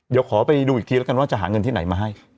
เดี๋ยวขอไปดูอีกทีแล้วกันว่าจะหาเงินที่ไหนมาให้